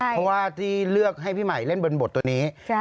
เพราะว่าที่เลือกให้พี่ใหม่เล่นบนบทตัวนี้